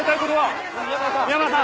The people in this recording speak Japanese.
宮村さん。